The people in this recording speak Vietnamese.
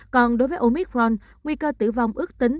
còn đối với omicron nguy cơ tử vong ước tính